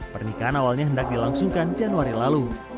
pernikahan awalnya hendak dilangsungkan januari lalu